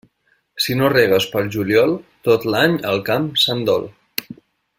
Si no regues pel juliol, tot l'any el camp se'n dol.